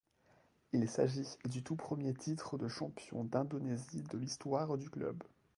Il s’agit du tout premier titre de champion d’Indonésie de l’histoire du club.